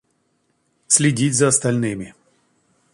Следить за остальными.